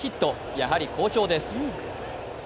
やはり好調です。